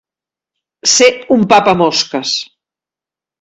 Ser un papamosques.